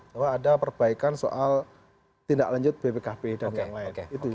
bahwa ada perbaikan soal tindak lanjut bpkp dan yang lain